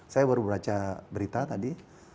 saya baru baca berita tadi